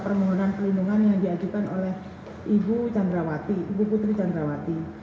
pemohonan pelindungan yang diajukan oleh ibu putri candrawati